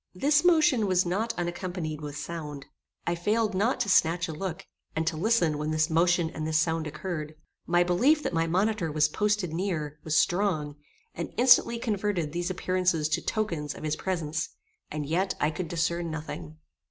This motion was not unaccompanied with sound. I failed not to snatch a look, and to listen when this motion and this sound occurred. My belief that my monitor was posted near, was strong, and instantly converted these appearances to tokens of his presence, and yet I could discern nothing.